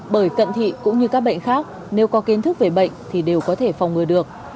bởi cận thị cũng như các bệnh khác nếu có kiến thức về bệnh thì đều có thể phòng ngừa được